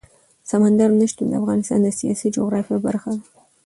سمندر نه شتون د افغانستان د سیاسي جغرافیه برخه ده.